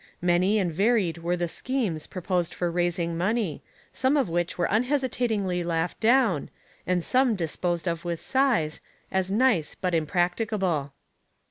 Many and varied were the schemes proposed for raising money, some of which were unhesitatingly laughed down, and some disposed of with sighs, as nice but impracticable.